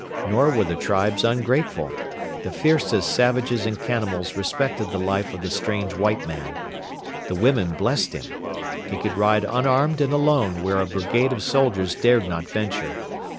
Nor were the tribes ungrateful. The fiercest savages and cannibals respected the life of the strange white man. The women blessed him. He could ride unarmed and alone where a brigade of soldiers dared not venture.